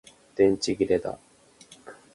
電池切れだ